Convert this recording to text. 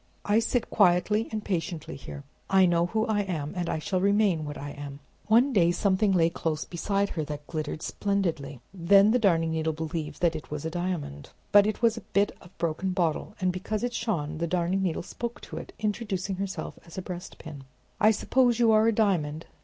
I sit quietly and patiently here. I know who I am, and I shall remain what I am." One day something lay close beside her that glittered splendidly; then the Darning Needle believed that it was a diamond; but it was a bit of broken bottle; and because it shone, the Darning Needle spoke to it, introducing herself as a breastpin. "I suppose you are a diamond?"